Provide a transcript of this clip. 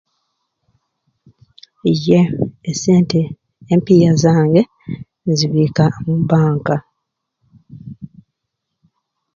Iye esente empiiya zange nzibiika mu bbanka.